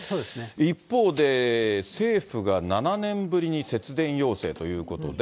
一方で、政府が７年ぶりに節電要請ということで。